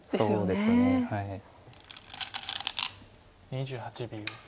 ２８秒。